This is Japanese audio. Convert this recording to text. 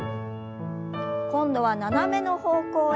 今度は斜めの方向へ。